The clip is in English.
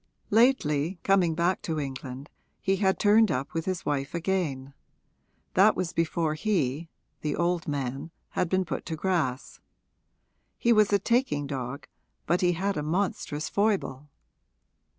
Lately, coming back to England, he had turned up with his wife again; that was before he the old man had been put to grass. He was a taking dog, but he had a monstrous foible.